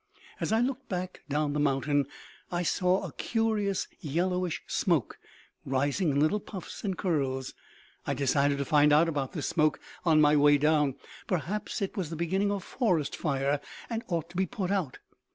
As I looked back down the mountain I saw a curious yellowish smoke rising in little puffs and curls. I decided to find out about this smoke on my way down; perhaps it was the beginning of a forest fire, and ought to be put out.